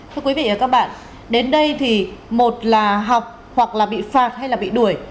thưa quý vị và các bạn đến đây thì một là học hoặc là bị phạt hay là bị đuổi